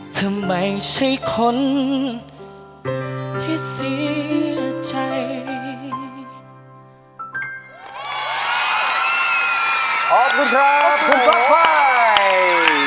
ทำไมใช่คนที่เสียใจ